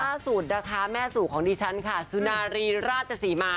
ล่าสุดนะคะแม่สู่ของดิฉันค่ะสุนารีราชศรีมา